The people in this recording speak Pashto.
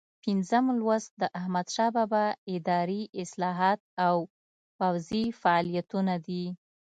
پنځم لوست د احمدشاه بابا اداري اصلاحات او پوځي فعالیتونه دي.